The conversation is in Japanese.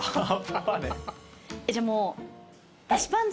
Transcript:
じゃあもう。